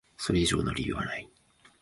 それ以上の理由はない。